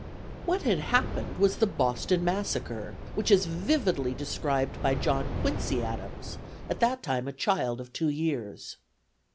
What had happened was the Boston Massacre, which is vividly described by John Quincy Adams, at that time a child of two years.